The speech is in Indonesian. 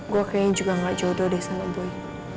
gue kayaknya juga gak jodoh deh sama gue